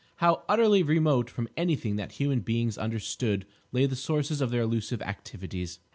How utterly remote from anything that human beings understood lay the sources of their elusive activities.